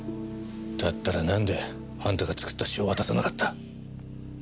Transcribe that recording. だったらなんであんたが作った詩を渡さなかった？